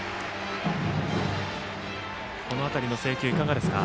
この辺りの制球いかがですか？